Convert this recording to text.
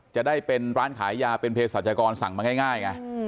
จะได้เป็นร้านขายยาเป็นเพศรัชกรสั่งมาง่ายไง